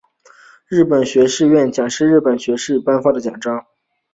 日本学士院奖是日本学士院颁发的奖章。